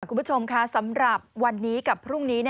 คุณผู้ชมค่ะสำหรับวันนี้กับพรุ่งนี้